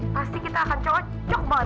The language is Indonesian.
pasti kita akan cocok banget